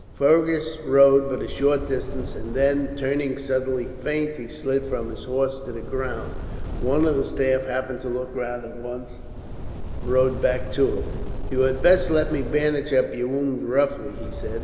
Fergus rode but a short distance and then, turning suddenly faint, he slid from his horse to the ground. One of the staff, happening to look round, at once rode back to him. "You had best let me bandage up your wounds roughly," he said.